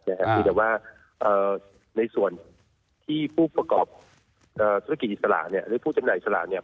แต่ว่าในส่วนที่ผู้ประกอบธุรกิจอิสระหรือผู้จำหน่าอิสระเนี่ย